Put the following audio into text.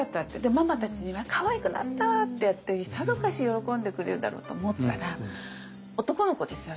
ママたちには「かわいくなった」ってやってさぞかし喜んでくれるだろうと思ったら男の子ですよ